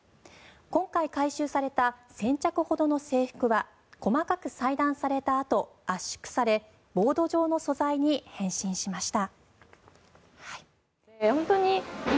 今回、回収された１０００着ほどの制服は細かく裁断されたあと圧縮されボード状の素材に変身しました。